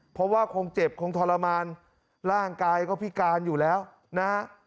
เพราะว่าคงเจ็บคงทรมานร่างกายก็พิการอยู่แล้วนะฮะ